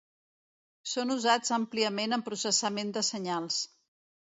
Són usats àmpliament en processament de senyals.